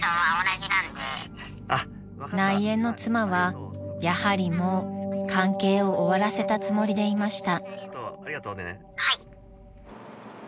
［内縁の妻はやはりもう関係を終わらせたつもりでいました］